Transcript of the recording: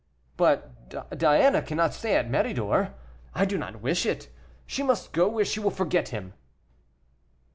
'" "But Diana cannot stay at Méridor I do not wish it; she must go where she will forget him."